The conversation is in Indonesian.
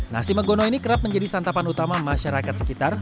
nasi megono ini kerap menjadi santapan utama masyarakat sekitar